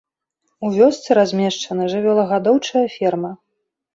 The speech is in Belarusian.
У вёсцы размешчана жывёлагадоўчая ферма.